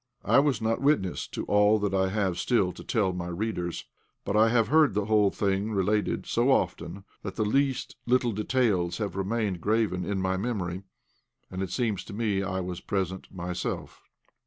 I was not witness to all that I have still to tell my readers, but I have heard the whole thing related so often that the least little details have remained graven in my memory, and it seems to me I was present myself.